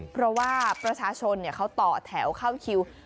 เพราะว่าประชาชนเขาต่อแถวเข้าคิว